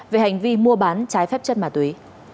về hành vi mua bán trái phép chất ma túy